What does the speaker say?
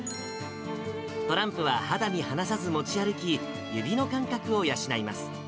トランプは肌身離さず持ち歩き、指の感覚を養います。